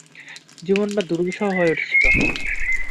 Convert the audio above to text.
জীবনটা দুর্বিষহ হয়ে উঠেছিলো!